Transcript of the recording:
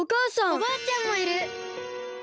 おばあちゃんもいる！